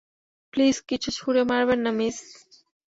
Please কিছু ছুড়ে মারবেন না, মিস।